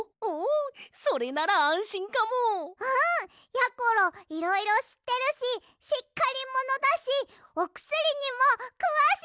やころいろいろしってるししっかりものだしおくすりにもくわしいし！